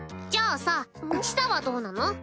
じゃあさ千紗はどうなの？